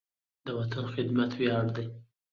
د وطن خدمت ویاړ دی.